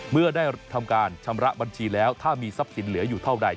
เมื่อได้ทำการชำระบัญชีแล้วถ้ามีทรัพย์สินเหลืออยู่เท่าใด